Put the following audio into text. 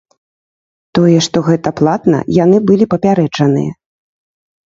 Тое, што гэта платна, яны былі папярэджаныя.